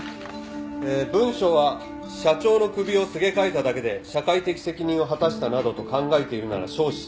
ええ文章は「社長の首をすげ替えただけで社会的責任を果たしたなどと考えているなら笑止千番」。